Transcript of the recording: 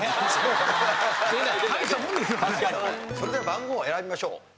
それでは番号を選びましょう。